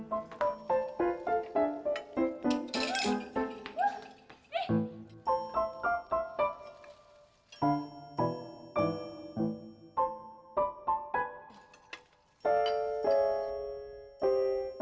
oke kita ambil biar cepet